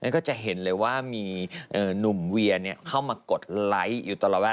ก็จะเห็นเลยว่ามีหนุ่มเวียเข้ามากดไลค์อยู่ตลอดเวลา